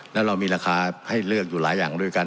แล้วเรามีราคาให้เลือกอยู่หลายอย่างด้วยกัน